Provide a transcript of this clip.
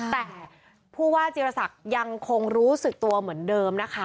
แต่ผู้ว่าจีรศักดิ์ยังคงรู้สึกตัวเหมือนเดิมนะคะ